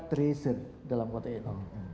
treasure dalam kota eropa